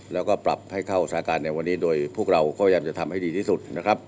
และปรับให้เข้าสถานการณ์ในวันนี้โดยพวกร่วมจะทำให้ดีที่สุด